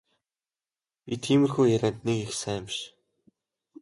Би тиймэрхүү ярианд нэг их сайн биш.